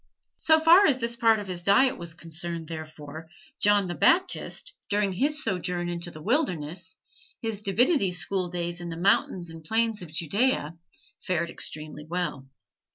So far as this part of his diet was concerned, therefore, John the Baptist, during his sojourn in the wilderness, his divinity school days in the mountains and plains of Judea, fared extremely well.